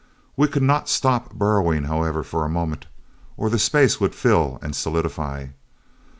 We could not stop burrowing, however, for a moment, or the space would fill and solidify.